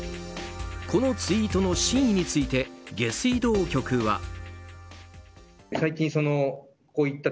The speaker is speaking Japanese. このツイートの真意について下水道局は。